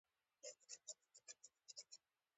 د بهرنیو هیوادونو کرنسي بدلول باید له رسمي ځایه وشي.